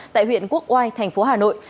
tại huyện quốc oai thành phố hà nội